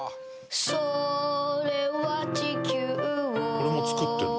「これも作ってるの？」